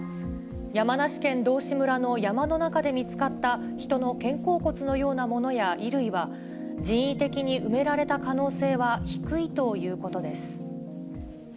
山梨県道志村の山の中で見つかった人の肩甲骨のようなものや衣類は、人為的に埋められた可能性は低いということです。